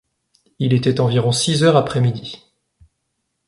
Il était environ six heures après midi.